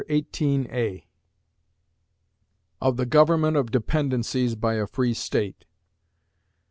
Chapter XVIII Of the Government of Dependencies by a Free State.